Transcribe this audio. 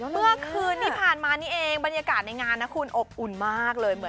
เมื่อคืนที่ผ่านมานี่เองบรรยากาศในงานนะคุณอบอุ่นมากเลย